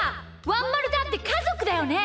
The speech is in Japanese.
ワンまるだってかぞくだよね！